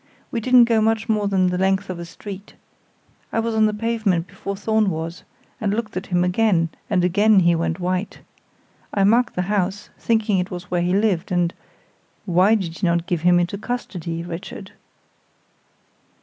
We didn't go much more than the length of a street. I was on the pavement before Thorn was, and looked at him again, and again he went white. I marked the house, thinking it was where he lived, and " "Why did you not give him into custody, Richard?"